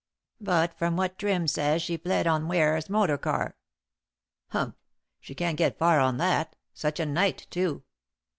But from what Trim says she fled on Ware's motor car." "Humph! She can't get far on that. Such a night, too."